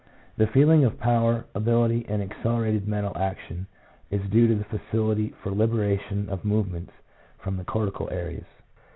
The feeling of power, ability, and accelerated mental action is due to the facility for liberation of movements from the cortical areas.